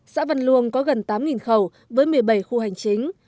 xã văn luông có gần tám khẩu với một mươi bảy khu hành chính